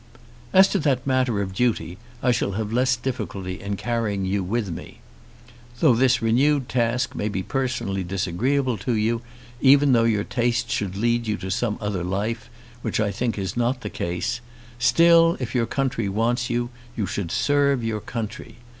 As to that matter of duty I shall have less difficulty in carrying you with me. Though this renewed task may be personally disagreeable to you, even though your tastes should lead you to some other life, which I think is not the case, still if your country wants you, you should serve your country.